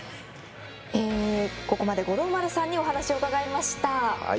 ここまで五郎丸さんにお話を伺いました。